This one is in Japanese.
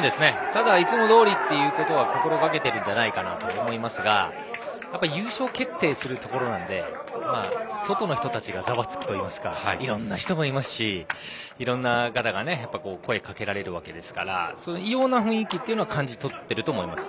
ただ、いつもどおりということは心がけているんじゃないかなと思いますが優勝が決定するところなので外の人たちがざわつくといいますかいろんな人がいますしいろんな方が声をかけられるわけですから異様な雰囲気は感じ取っていると思います。